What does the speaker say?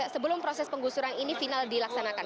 sebelum proses penggusuran ini final dilaksanakan